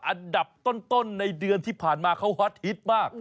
อันดับต้นในเดือนที่ผ่านมาเขาฮอตฮิตมาก